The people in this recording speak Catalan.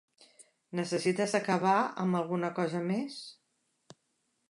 Necessites acabar amb alguna cosa més?